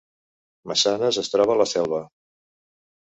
Massanes es troba a la Selva